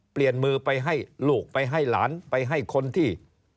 เปลี่ยนมือไปให้ลูกไปให้หลานไปให้คนที่